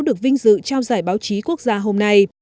được vinh dự trao giải báo chí quốc gia hôm nay